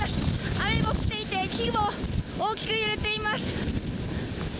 雨も降っていて木も大きく揺れています。